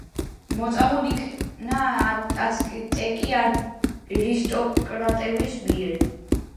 მოწამლულ იქნა აცტეკი არისტოკრატების მიერ.